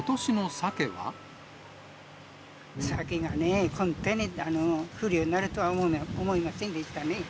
サケがね、本当に不漁になるとは思いませんでしたね。